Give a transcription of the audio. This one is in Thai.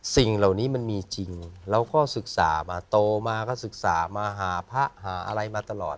สิ่งเหล่านี้มันมีจริงเราก็ศึกษามาโตมาก็ศึกษามาหาพระหาอะไรมาตลอด